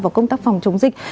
vào công tác phòng chống dịch